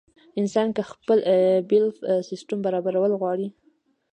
انسان کۀ خپل بيليف سسټم برابرول غواړي